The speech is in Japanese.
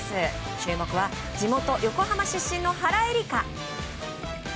注目は地元・横浜出身の原英莉花。